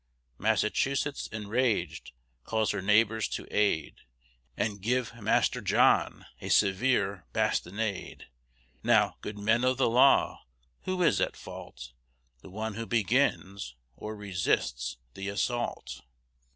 Massachusetts, enraged, calls her neighbors to aid And give Master John a severe bastinade. Now, good men of the law, who is at fault, The one who begins or resists the assault?